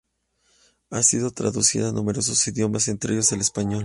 Ha sido traducida a numerosos idiomas, entre ellos el español.